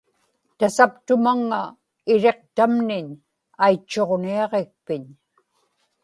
tasaptumaŋŋa iriqtamniñ aitchuġniaġikpiñ